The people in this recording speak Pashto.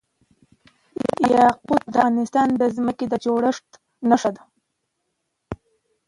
یاقوت د افغانستان د ځمکې د جوړښت نښه ده.